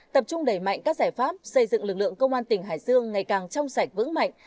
tập trung đẩy mạnh các giải pháp xây dựng lực lượng công an tỉnh hải dương ngày càng trong sạch vững mạnh